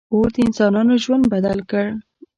• اور د انسانانو ژوند بدل کړ.